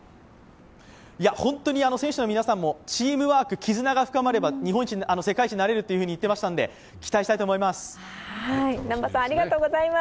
本当に選手の皆さんもチームワーク、絆が深まれば世界一になれると言ってましたんで期待したいと思います。